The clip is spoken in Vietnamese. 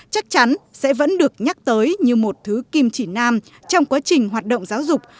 chắc chắn sẽ vẫn được nhắc tới như một thứ kim chỉ nam trong quá trình hoạt động giáo dục